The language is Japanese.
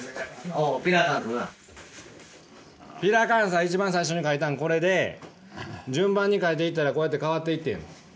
ピラカンサ一番最初に描いたんこれで順番に描いていったらこうやって変わっていってん。